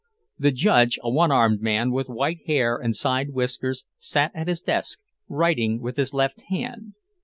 The judge, a one armed man, with white hair and side whiskers, sat at his desk, writing with his left hand.